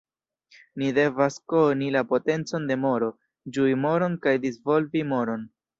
Ni devas koni la potencon de moro, ĝui moron kaj disvolvi moron.